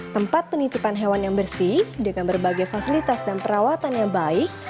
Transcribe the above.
tempat penitipan hewan yang bersih dengan berbagai fasilitas dan perawatan yang baik